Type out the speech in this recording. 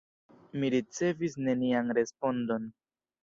Mi ricevis nenian respondon.